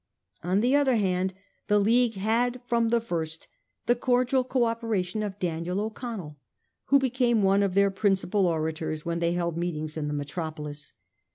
On the other hand, the League had from the first the cordial co operation of Daniel O'Connell, who became one of their principal orators when they held meetings in the metropolis.